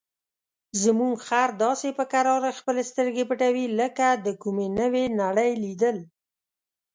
زموږ خر داسې په کراره خپلې سترګې پټوي لکه د کومې نوې نړۍ لیدل.